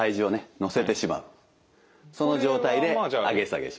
乗せてしまうその状態で上げ下げします。